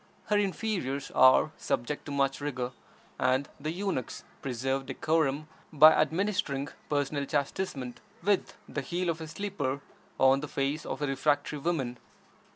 Her inferiors are subject to much rigor, and the eunuchs preserve decorum by administering personal chastisement with the heel of a slipper on the face of a refractory woman.